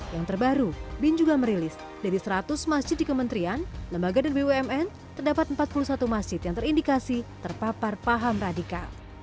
yang terbaru bin juga merilis dari seratus masjid di kementerian lembaga dan bumn terdapat empat puluh satu masjid yang terindikasi terpapar paham radikal